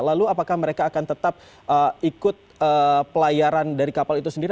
lalu apakah mereka akan tetap ikut pelayaran dari kapal itu sendiri